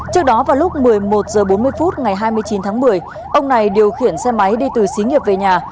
trước đó vào lúc một mươi một h bốn mươi phút ngày hai mươi chín tháng một mươi ông này điều khiển xe máy đi từ xí nghiệp về nhà